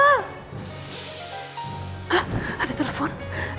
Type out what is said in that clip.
hah ada telepon